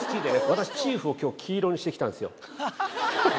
私チーフを今日黄色にしてきたんですよ。